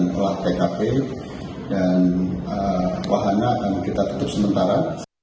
telah pkp dan wahana akan kita tutup sementara